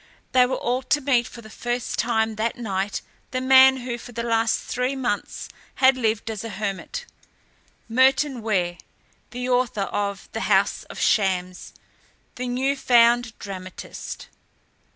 They were all to meet for the first time that night the man who for the last three months had lived as a hermit Merton Ware, the author of "The House of Shams," the new found dramatist.